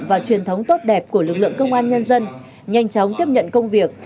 và truyền thống tốt đẹp của lực lượng công an nhân dân nhanh chóng tiếp nhận công việc